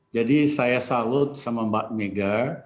jadi saya salut sama mbak mega